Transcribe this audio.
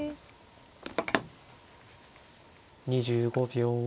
２５秒。